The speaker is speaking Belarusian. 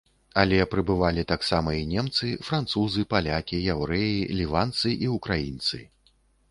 Але прыбывалі таксама і немцы, французы, палякі, яўрэі, ліванцы і украінцы.